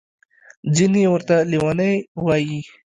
ځینې ورته لوني وايي.